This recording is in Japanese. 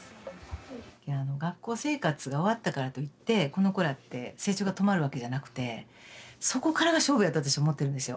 学校生活が終わったからといってこの子らって成長が止まるわけじゃなくてそこからが勝負やと私思ってるんですよ。